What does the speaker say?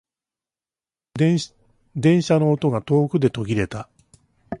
電車の音が遠くで途切れた。